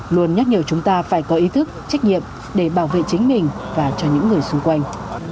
luôn nhắc nhở chúng ta phải có ý thức trách nhiệm để bảo vệ chính mình và cho những người xung quanh